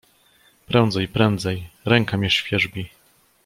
"Prędzej, prędzej, ręka mię świerzbi."